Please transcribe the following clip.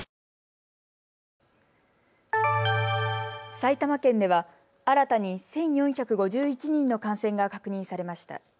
埼玉県では新たに１４５１人の感染が確認されました。